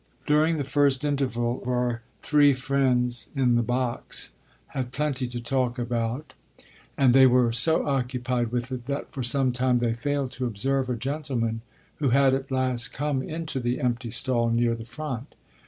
During the first interval our three friends in the box had plenty to talk about, and they were so occupied with it that for some time they failed to observe a gentleman who had at last come into the empty stall near the front.